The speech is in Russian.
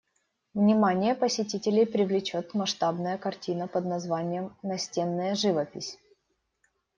Внимание посетителей привлечет масштабная картина под названием «Настенная живопись».